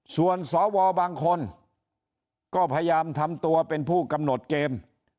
ส่วนสวบางคนก็พยายามทำตัวเป็นผู้กำหนดเกม